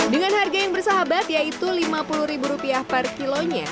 dengan harga yang bersahabat yaitu rp lima puluh per kilonya